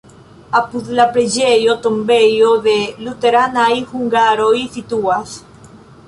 Apud la preĝejo tombejo de luteranaj hungaroj situas.